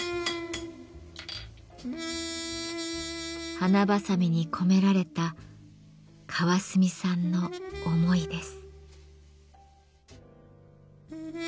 花ばさみに込められた川澄さんの想いです。